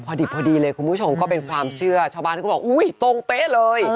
พอดิบพอดีเลยคุณผู้ชมก็เป็นความเชื่อชาวบ้านก็บอกอุ้ยตรงเป๊ะเลย